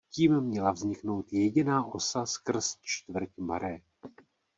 Tím měla vzniknout jediná osa skrz čtvrť Marais.